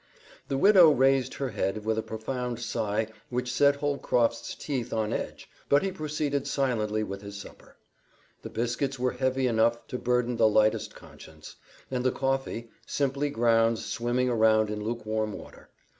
The widow raised her head with a profound sigh which set Holcroft's teeth on edge, but he proceeded silently with his supper. The biscuits were heavy enough to burden the lightest conscience; and the coffee, simply grounds swimming around in lukewarm water.